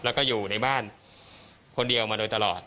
แล้วก็อยู่ในบ้านคนเดียวมาโดยตลอด